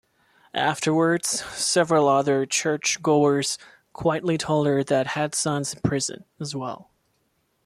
Afterwards, several other churchgoers quietly told her that had sons in prison, as well.